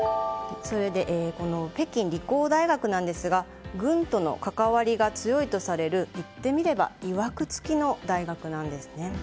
北京理工大学なんですが軍との関わりが強いとされるいってみればいわくつきの大学なんですね。